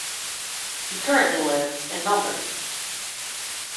He currently lives in Melbourne.